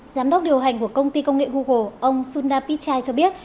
giám đốc điều hành của công ty công nghệ google ông sundar pichai cho biết